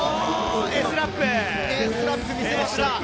エスラップ見せました！